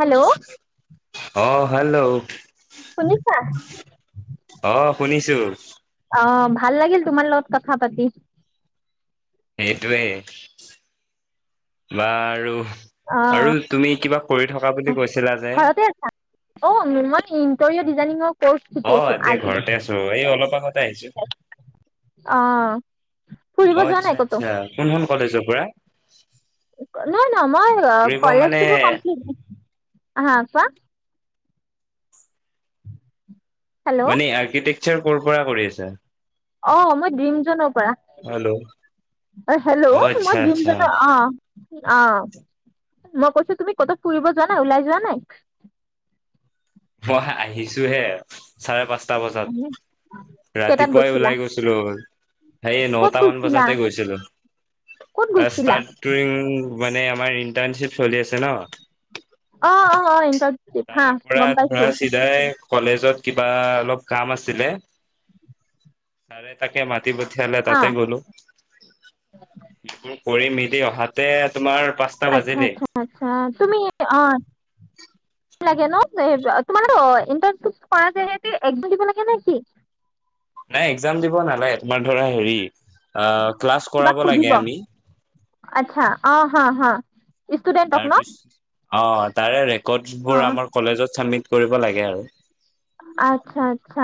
Hello অ' hello. শুনিছা? [unintelligible] অ', ভাল লাগিল, তোমাৰ লগত কথা পাতি। সেইটোৱেই, বাৰু আৰু অ', তুমি কিবা কৰি থকা বুলি কৈছিলা যে ঘৰতে আছা? অ', মই ইন্ট'ৰিউত কিজানি মোক অ', এতিয়া ঘৰতে আছো। এই অলপ আগতে আহিছো। অ ফুৰিব অ', যোৱা আচ্ছা নাই আচ্ছা, কোনখন কলেজৰ পৰা? ন', ন', মই অ' ফুৰিব মানে কলেজটো কমপ্লিট আহা, চোৱা। হেল্ল' মানে আৰ্কিটেকচাৰ ক'ৰ পৰা কৰি আছে? অ', মই ড্ৰিম জনক হেল্ল' [unintelligible] অ', হেল্ল', আচ্ছা মই আচ্ছা দিনজনৰ অ' অ', মই কৈছো, তুমি কতো ফুৰিব যোৱা নাই? ওলাই যোৱা নাই? মই, আহিছোহে। চাৰে পাঁচটা বজাত। কেইটাত ৰাতিপুৱাই গৈছিলা ওলাই গৈছিলো। সেই ক'ত নটা মান গৈছিলা বজাতে গৈছিলো। ক'ত গৈছিলা ষ্টাৰটটুং মানে তোমাৰ ইণ্টাৰ্ণশ্বিপ চলি আছে ন? অ অ' হয় এক [unintelligible] তাৰে পৰা তোমাৰ চিধাই কলেজ ত কিবা অলপ কাম আছিলে, চাৰে তাকে মা তি পঠিয়ালে অ তাতে গ'লো। কৰি মেলি অহাতে তোমাৰ পাঁচটা আচ্ছা বাজিলেই আচ্ছা আচ্ছা তুমি অ' লাগে ন' তোমালোকৰ ইনটাৰ্শিপ কৰাঁতে হে এক্সাম দিব লাগে নে কি? নাই এক্জাম দিব নালাগে তোমাৰ ধৰা হেৰি অহ, ক্লাছ কিবা কৰাব সুধিব। লাগে আমি। আচ্ছা অ', হা, হা। ষ্টুডেণ্টক ন'? তাৰপিছ অ' তাৰে ৰে অ। ক'ৰ্ডছবোৰ আমাৰ কলেজত চাবমিট কৰিব লাগে আৰু। আচছা, আচ্ছা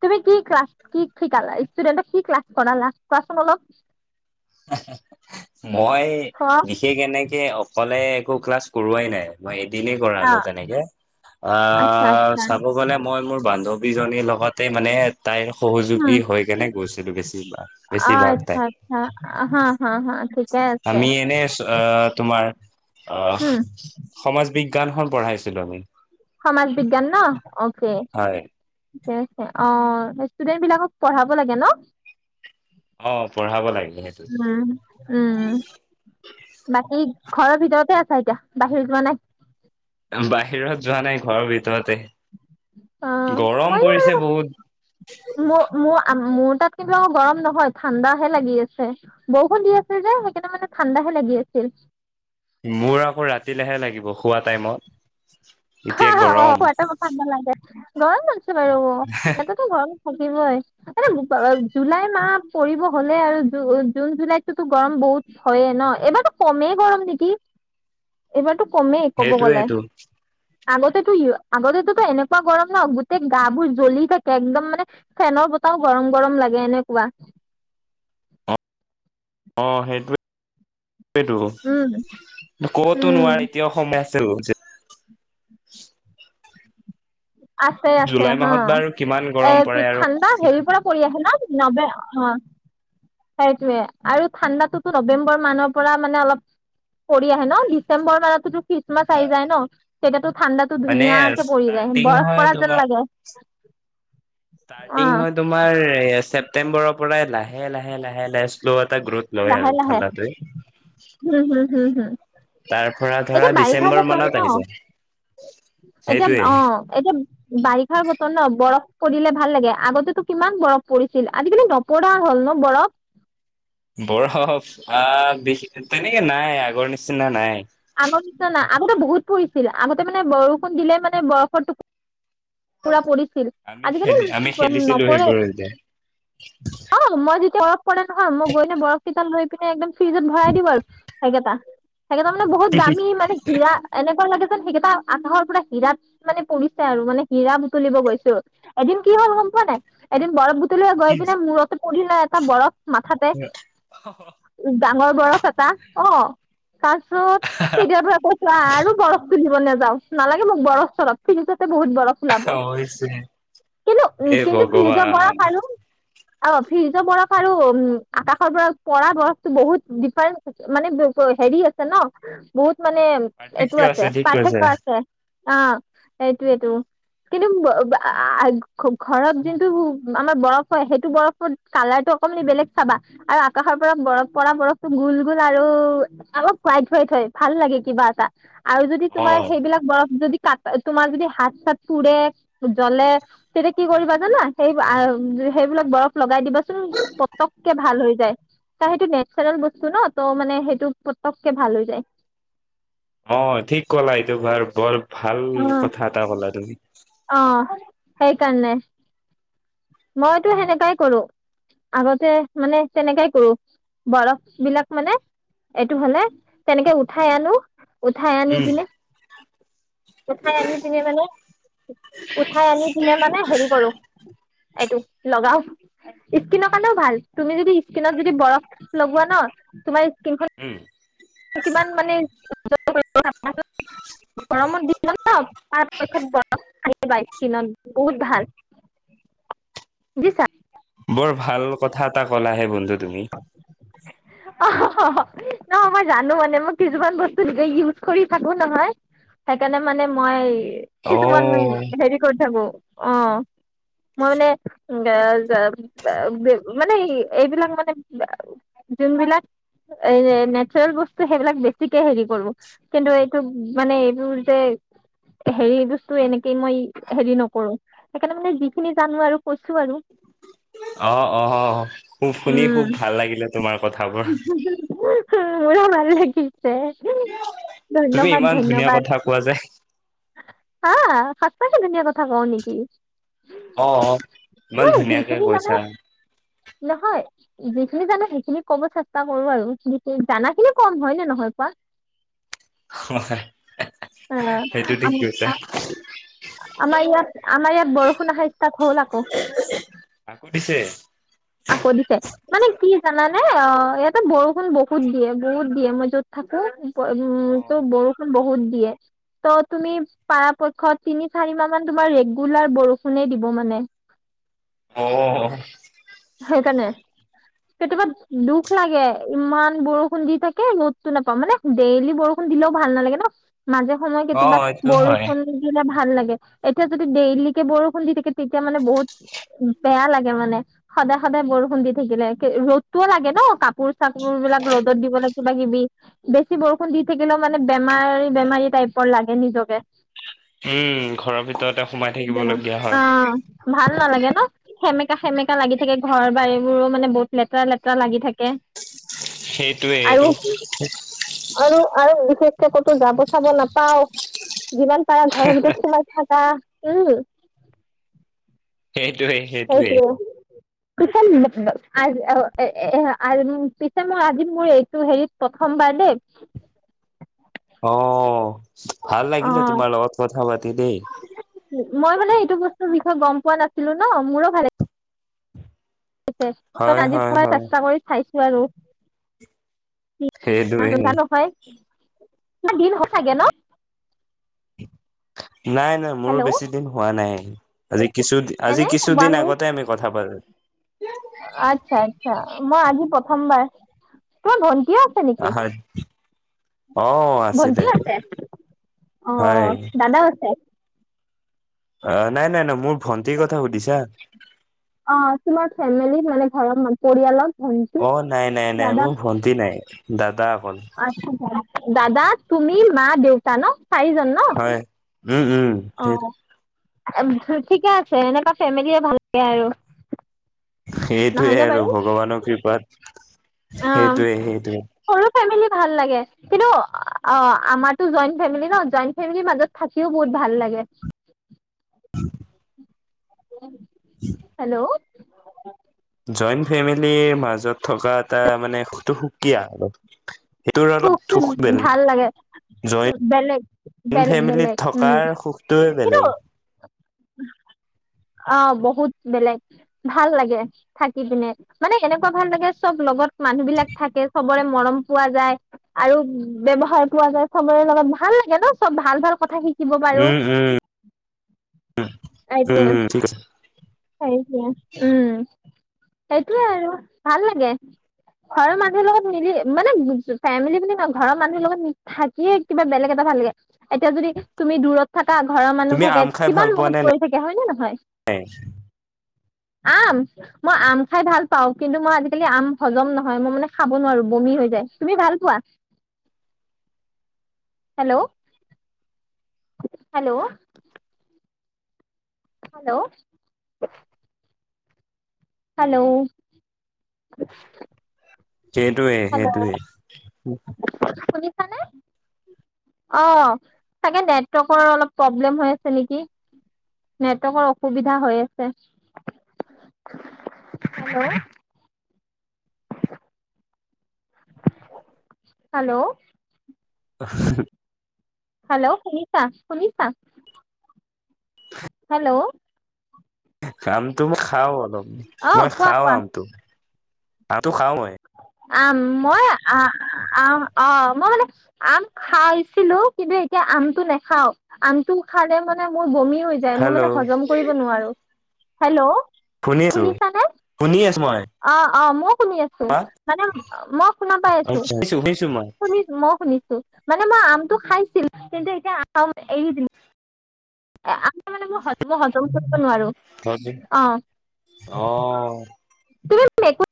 তুমি কি ক্লাছ কি শিকালা? ষ্টুডেট কি ক্লাছ কৰালা? কোৱাচোন অলপ। [inaudible] মই অ' বিশেষ এনেকে অকলে একো ক্লাছ কৰোৱাই নাই মই দিনেই কৰালোঁ তেনেকে আচ্ছা অহ, আচ্ছা চাব গ'লে মই মোৰ বান্ধৱীজনীৰ লগতে মানে তাইৰ সহযোগী হৈ কেনে গৈছো। সেইটো বেছি আ, আচ্ছা, আচ্ছা। হা, হা, হা ঠিক আমি এনে অ তোমাৰ। অ উম সমাজ বি খন পঢ়াইছিলো আমি। সমাজ বিজ্ঞান ন অ হয়। ঠিকে আছে অ ষ্টুডেন্ট বিলাকক পঢ়াব লাগে ন। অ পঢ়াব লাগে সেইটো উম উম বাকী। ঘৰৰ ভিতৰতে আছা এতিয়া বাহিৰত যোৱা নাই। বাহিৰত যোৱা নাই ঘৰৰ ভিতৰতে। অ গৰম মই পৰিছে আৰু বহুত মো মো মোৰ তাত কিন্তু আকৌ গৰম নহয় ঠাণ্ডাহে লাগি আছে বৰষুণ দি আছে যে সেইকাৰণে মানে ঠাণ্ডাহে লাগি আছিল। মোৰ আকৌ ৰাতিলেহে লাগিব শুৱা টাইমত হা এতিয়া হা অ গৰম শুৱা টাইমত ঠাণ্ডা লাগে [unintelligible] উঠিছে বাৰু ইয়াতেতো গৰম থাকিবই এ জুলাই মাহ পৰিব হলে আৰু জ জুন জুলাইতোতো গৰম বহুত হয়ে ন এইবাৰতো কমেই গৰম নেকি এইবাৰতো কমেই ক'ব গ'লে সেইটোৱেইটো আগতেতো আগতেতো এনেকুৱা গৰম ন গোটেই গা বোৰ জ্বলি থাকে একদম মানে ফেনৰ বতাহও গৰম গৰম লাগে এনেকুৱা অ সেইটো সেটো উম কতো উম নোৱাৰে এতিয়াও সময় আছে টো যে আছে আছে জুলাই হা মাহত বাৰু কিমান এ গৰম পৰে ঠাণ্ডা আৰু হেৰি পৰা পৰি আহে না নবে অ সেইটোৱে আৰু ঠাণ্ডাতোতো নৱেম্বৰ মানৰ পৰা মানে অলপ পৰি আহে ন ডিচেম্বৰ মানতোতো খ্ৰীষ্টমাছ আহি যায় ন তেতিয়া টো ঠাণ্ডাটো মানে ধুনীয়াকে পৰি যায় ষ্টাৰ্টিং বৰফ হয় পৰা যেন তোমাৰ লাগে অ ষ্টাৰ্টিং হয় তোমাৰ চেপ [unintelligible] পৰাই লাহে লাহে লাহে লাহে শ্ল'ত লাহে লাহে, হম হম হম হম, তাৰ পৰা ধৰা এতিয়া বাৰিষাৰ ডিচেম্বৰ বতৰ মানত ন, আহি যায় এতিয়া সেইটোৱে অ', এতিয়া বাৰিষাৰ বতৰ ন বৰফ কৰিলে ভাল লাগে আগতেতো কিমান বৰফ পৰিছিল, আজিকালি নপৰা হ'ল ন বৰফ। বৰফ আহ, [unintelligible] তেনেকে নাই আগৰ নিচিনা নাই। আগৰ নিচনা না আগতে বহুত পৰিছিল, আগতে মানে বৰষুণ দিলে মানে বৰফৰটো পুৰা পৰি ছিল, আমি আজিকালি খেলি আমি খেলিছিলো নপৰে়ই। সেইবোৰ এতিয়া অ', মই তেতিয়া বৰফ পৰে নহয় মই গৈ ননে বৰফ কেইডাল লৈ পিনে একদম ফ্ৰিজত ভৰাই দিওঁ আৰু সেকেটা। সেইকেইটা মানে বহুত দামী মানে হীৰা এনেকুৱা লাগে সেইকেইটা আধাৰ পুৰা হীৰাত মানে পৰিছে আৰু মানে হীৰা বুটলিব গৈছোঁ, এদিন কি হ'ল গম পোৱা নাই, এদিন বৰফ বুটলি কি [unintelligible] পৰিল এটা বৰফ মাথাতে ডাঙৰ বৰফ এটা, অ'। [unintelligible] আৰু বৰফ তুলিব নাযাওঁ। নালাগে মোক বৰফ, চৰফ ফ্ৰীজতে বহুত বৰফ উলাব, হৈছে কিন্তু এ উ, কিন্তু ফ্ৰিজ ভগৱান বৰফ আৰু অ', ফ্ৰিজৰ বৰফ আৰু উম, আকাশৰ বৰফ পৰা বৰফটো বহুত ডিফাৰেন্ট মানে-হেৰি আছে ন' বহুত মানে এইটো পাৰ্থক্য আছে, ঠিক কৈছা পাৰ্থক্য আছে। আ, সেইটোয়েটো কিন্তু ব-বা-আহ ঘ-ঘৰত যোনটো আমাৰ বৰফ হয়, সেইটো বৰফত কালাৰটো অকমানি বেলেগ চাবা আৰু আকাশৰ পৰা বৰফ পৰা বৰফটো গোল, গোল আৰু অলপ হোৱাইট, হোৱাইট হয়, ভাল লাগে কিবা এটা। আৰু যদি অ তোমাৰ সেইবিলাক বৰফ যদি তাত তোমাৰ যদি হাত চাত পুৰে, জ্বলে তেতিয়া কি কৰিবা জানা? সেই আহ-বা সেইবিলাক বৰফ লগ লগাই দিবাচোন পতককে ভাল হৈ যায়, তাৰসেইটো নেচাৰেল বস্তু ন ত'হ মানে সেইটো পতককে ভাল হৈ যায়। অ', ঠিক ক'লা এইটো বাৰু বল ভাল কথা এটা ক'লা তুমি। অহ। সেইকাৰণে মইটো সেনেকাই কৰোঁ, আগতে মানে তেনেকাই কৰোঁ, বৰফবিলাক মানে এইটো হ'লে তেনেকে উঠাই আনো। উঠাই আনি উম পিনে উঠাই আনি পিনে মানে, উঠাই আনি পিনে মানে হেৰি কৰোঁ। এইটো লগাও ইস্কিনৰ কাৰণেও ভাল, তুমি যদি ইস্কিনত যদি বৰফ লগোৱা ন, তোমাৰ উম ইস্কিনখন কিমান মানে গৰমত দিনত ন পাৰাপক্ষত বৰফ সানিবা ইস্কিনত বহুত ভাল। দিছা। বৰ ভাল কথা এটা ক'লাহে বন্ধু তুমি। অহ-হ' ন মই জানো মানে মই কিছুমান বস্তু ইউজ কৰি থাকো নহয়, সেইকাৰণে মানে মই কিছুমান অ', হেৰি কৰি থাকো। অ' মই মানে জা-জা-জা মানে এইবিলাক মানে যোনবিলাক এ নেচাৰেল বস্তু সেইবিলাক বেছিকে হেৰি কৰো, কিন্তু এইটো মানে এইবোৰ যে হেৰি বস্তু এনেকেই মই উচ' হেৰি নকৰো সেইকাৰণে মানে যিখিনি জানো আৰু কৈছো আৰু। অ', অ', অ, খুব শুনি খুব ভাল লাগিলে, তোমাৰ কথাবোৰ। [unintelligible] মোৰ ভাল লাগিছে। তুমি ধন্যবাদ, ইমান ধুনীয়া ধন্যবাদ কথা কোৱা যে আহ। সঁচাকে ধুনিয়া কথা কওঁ নেকি? অ - অ ইমান নহয় ধুনীয়াকে যিখিনি জানো কৈছা। নহয়, যিখিনি জানো সেইখিনি ক'ব চেষ্টা কৰো আৰু যিখিনি, জানা খিনি কম হয় নে নহয় কোৱা। হয়। অ, আমি অ, আমাৰ ইয়াত, আমাৰ ইয়াত বৰষুণ অহা ষ্টাৰ্ট হ'ল আকৌ। পিছে এ অ, ইয়াতে বৰষুণ বহুত দিয়ে, বহুত দিয়ে মই য'ত থাকো। হয়, উম তো অ', বৰষুণ বহুত দিয়ে, তহ তুমি পাৰা পক্ষত তিনি চাৰি মাহ মান তোমাৰ ৰেগুলাৰ বৰষুণে দিব মানে। সেইকাৰণে, কেতিয়াবা দুখ লাগে ইমান বৰষুণ দি থাকে ৰ'দতটো নাপাওঁ মানে ডেইলি বৰষুণ দিলেও ভাল নালাগে ন। মাজে সময়ে কেতিয়াবা অ', এইটো হয়। বৰষুণ দিলে ভা ভাল লাগে, এতিয়া যদি ডেইলিকে বৰষুণ দি থাকে তেতিয়া মানে বহুত বেয়া লাগে মানে। সদায় সদায় বৰষুণ দি থাকিলে ৰ'দটোও লাগে ন কাপোৰ চাপোৰ বিলাক ৰ'দত দিবলৈ কিবা কিবি, বেছি বৰষুণ দি থাকিলেও মানে বেমাৰী, বেমাৰী টাইপৰ লাগে নিজকে। উম, ঘৰৰ ভিতৰতে সোমাই থাকিবলগীয়া হয় অ', ভাল নালাগে ন'। সেমকা সেমেক কা লাগি থাকে ঘৰ-বাৰি মোৰো মানে বহুত লেতেৰা লেতেৰা লাগি থাকে সেইটোৱে আৰু এইটো আৰু আৰু বিশেষ ক'তো যাব চাব নাপাও যিমান পাৰা ঘৰৰ ভিতৰত সোমাই থাকা। উম। সেইটোৱেই সেইটোৱেই। সেইটোৱে পিছে ব-ব আজ অ এ-এই আজ মোৰ পিছে মোৰ‌ আজি মোৰ এইটো হেৰিত প্ৰথমবাৰ দেই। অ! ভাল অ লাগিলে তোমাৰ লগত কথা পাতি দেই। মই মানে এইটো বস্তুৰ বিষয়ে গম পোৱা নাছিলো ন মোৰো ভালে লা গিছে তো হয়, আজি হয়, ফাচ হয় চেষ্টা কৰি চাইছ ছু আৰু। সেইটোৱে। নহয় দিন স থাগে ন নাই নাই মোৰো হেল্ল' বেছি দিন হোৱা নাই। আজি কিছু আজি এনে কিছুদিন ওৱান আগতে উইক আমি কথা পাত আচ্ছা আচ্ছা মই আজি প্ৰথমবাৰ তোমাৰ ভন [unintelligible] আছে নেকি? হয় অ আছিলে। ভন্টি আছে, হয় অ' দাদাও আছে। অ'। নাই নাই নাই, মোৰ ভন্টিৰ কথা সুধিছা? অ তোমাৰ ফেমিলিত মানে ঘৰ পৰিয়ালত? ভন্টি অ' নাই নাই নাই দাদা মোৰ ভণ্টি নাই। দাদা অকল। আচ্ছা দাদা দাদা, তুমি, মা-দেউতা ন। চাৰিজন ন হয়, উম উম। অ [unintelligible] ঠিকে আছে, এনেকুৱা ফেমেলিয়ে ভাল লাগে আৰু। সেইটোৱে, নহয়নে আৰু বাৰু ভগৱানৰ কৃপাত অ সেইটোৱে, সেইটোৱে। সৰু ফেমিলি ভাল লাগে। কিন্তু, আহ আমাৰতো জইণ্ট ফেমিলি ন, জইণ্ট ফেমেলিৰ মাজত থাকিও বহুত ভাল লাগে। হেল্ল'! জইণ্ট ফেমিলিৰ মাজত থকা এটা মানে সুখটো সুকীয়া। সেইটোৰ খুব অলপ সুখ ভাল বেলেগ লাগে বেলেগ জইন বেলেগ বেলেগ ফেমিলিত উম থকাৰ সুখটোৱে বেলেগ। উম। অ' বহুত বেলেগ ভাল লাগে থাকি পিনে। মানে হেনেকুৱা ভাল লাগে চব লগত। মানুহ বিলাক থাকে। চব চবৰে মৰম পোৱা যায়। আৰু ব্যৱহাৰ পোৱা যায় চবৰে লগত ভাল লাগে ন? চব ভাল ভাল কথা শিকি।। দিব পাৰো। উ, উম, হুম ঠিক আছে। হয় দিয়া। উম সেইটোয়ে আৰু ভাল লাগে। ঘৰৰ মানুহৰ লগত মিলি মানে ফেমিলি বুলি কয়। ঘৰৰ মানুহৰ লগত থাকিয়ে কিবা বেলেগ এটা ভাল লাগে। এতিয়া যদি তুমি দূৰত থাকা।। কা ঘৰৰ তুমি মানুহ আম থাকে খাই ভাল কিমান পোৱা নে মনত পৰি থাকে। হয় নে নহয়? নাই? আম মই আম খাই ভাল পাওঁ। কিন্তু মই আজিকালি আম হজম নহয়। মই মানে খাব নোৱাৰো বমি হৈ যায়। তুমি ভাল পোৱা? হেল্ল' হেল্ল' হেল্ল', হেল্ল', সেইটোৱে সেইটোৱে শুনিছানে অ চাগে নেটৰ্ৱকৰ অলপ প্ৰব্লেম হৈ আছে নেকি? নেটৱৰ্কৰ অসুবিধা হৈ আছে। Hello hello. আহ [inaudible] হেল্ল' শুনিছা, শুনিছা হেল্ল' কাম। তুমি খাও অলপ অ মই কোৱা খাও কোৱা আমটো। আমটো খাও মই। আম মই আ আম অ মই মানে আম খাইছিলো কিন্তু এতিয়া আমটো নেখাও। আমটো খালে মানে মোৰ বমি।। হৈ যায় মই হেল্ল' মানে হজম কৰিব নোৱাৰোঁ। হেল্ল'। শুনিছো শুনিছানে? শুনি আছোঁ মই। অ' অ 'মইও শুনি আছোঁ। হা মানে মই শুনা পাই আছোঁ। শুনিছো শুনিছো মই। শুনিছোঁ মই শুনিছোঁ মানে মই আমটো খাইছিলো। কিন্তু এতিয়া নাখাওঁ এৰি দিম। এ আমটো মানে মই হ হজম কৰিব নোৱাৰোঁ। হয় অহ। মে এক [inaudible]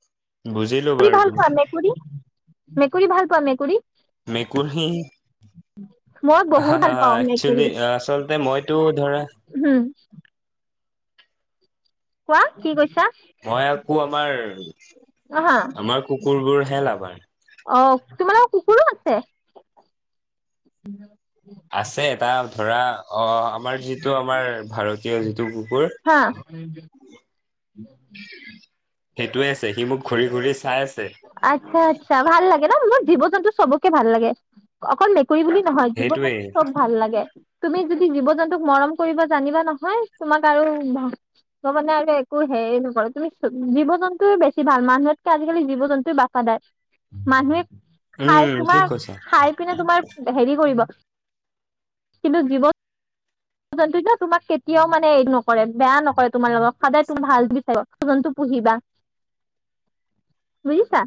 বুজিলো বাৰু তোমাক। মেকুৰী ভাল পোৱা মেকুৰী মেকুৰিহি উও হা, হ, হা একচেলি আচলতে মইতো ধৰা উম, কোৱা, কি কৈছা? মই আকৌ আমাৰ, হা, আমাৰ কুকুৰবোৰ হে লাভাৰ। অ', তোমালোকৰ কুকুৰো আছে। আছে এটা ধৰা অ', আমাৰ যিটো আমাৰ ভাৰত তীয় যিটো কু হা। সেইটোৱে আছে, সি মোক ঘূৰি ঘূৰি চাই আছ আচ্ছা, আচ্ছা ভাল লাগে ন' মোৰ জীৱ-জন্তু চবকে ভাল লাগে, অকল মেক কুৰী বুলি নহয় সেইটোৱে জীৱ-জন্তু চব ভাল লাগে। তুমি যদি জীৱ-জন্তুক মৰম কৰিব জানিবা নহয় তোমাক আৰু ম মানে আৰু একো হেৰি নকৰে তুমি জীৱ-জন্তুৱে বেছি ভাল, মানুহতকে আজিকালি জীৱ জন্তুৱে ৱাফাদাৰ মানুহে খাই উম, ঠিক তোমাৰ কৈছা। খাই পিনে তোমাৰ হেৰি কৰিব। কিন্তু জীৱ জন্তুই ন তোমাক কেতিয়াও মানে হেৰি নকৰে বেয়া নকৰে তোমাৰ লগত সদায় তুমি ভাল বিচাৰিব, জন্তু পুহিবা, বুজিছা।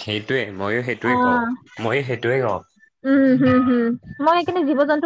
সেইটোৱে। ময়ো অ সেইটোৱে কওঁ, ময়ো সেইট টোৱে অ'। উম হম হম মই সেইকাৰণে জীৱ জন্তু